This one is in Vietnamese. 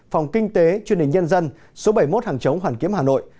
phòng kinh tế truyền hình nhân dân số bảy mươi một hàng chống hoàn kiếm hà nội